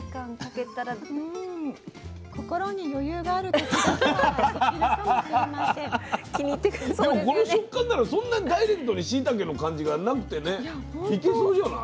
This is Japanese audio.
でもこの食感ならそんなにダイレクトにしいたけの感じがなくてねいけそうじゃない？